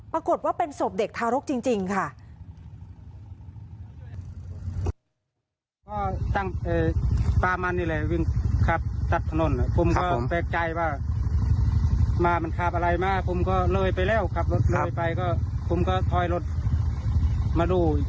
ปรากฏว่าเป็นศพเด็กทารกจริงค่ะ